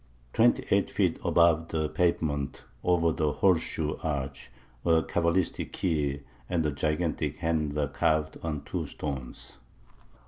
Twenty eight feet above the pavement, over the horseshoe arch, a cabalistic key and a gigantic hand are carved on two stones.